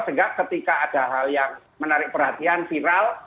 sehingga ketika ada hal yang menarik perhatian viral